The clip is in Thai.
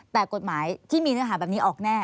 แต่กฎหมายที่มีเนื้อหาแบบนี้ออกแน่